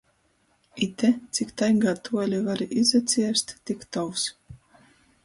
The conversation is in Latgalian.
Ite – cik taigā tuoli vari izacierst, tik tovs.